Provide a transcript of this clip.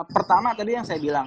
pertama tadi yang saya bilang